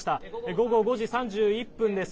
午後５時３１分です。